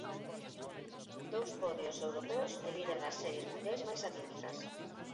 Dous podios europeos e líder das Series Mundiais máis atípicas.